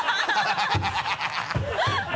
ハハハ